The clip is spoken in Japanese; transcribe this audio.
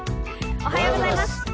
おはようございます。